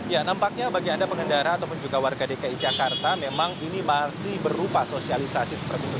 ya nampaknya bagi anda pengendara ataupun juga warga dki jakarta memang ini masih berupa sosialisasi seperti itu